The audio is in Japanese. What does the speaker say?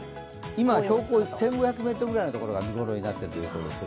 今、標高１５００ｍぐらいのところが見頃になっているようです。